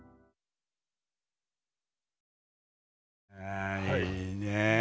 あいいねぇ。